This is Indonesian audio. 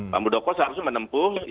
pak budoko seharusnya menempuh